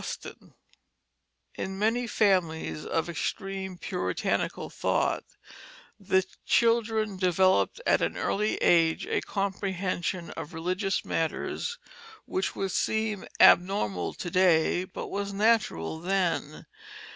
[Illustration: The Copley Family] In many families of extreme Puritanical thought, the children developed at an early age a comprehension of religious matters which would seem abnormal to day, but was natural then.